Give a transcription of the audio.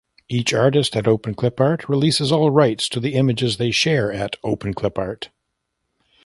Each artist at Openclipart releases all rights to the images they share at Openclipart.